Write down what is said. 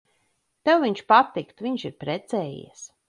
Tev viņš patiktu. Viņš ir precējies.